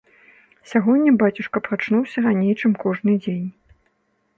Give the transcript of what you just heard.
Сягоння бацюшка прачнуўся раней, чым кожны дзень.